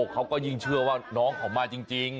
เขาก็ยิ่งเชื่อว่าน้องเขามาจริง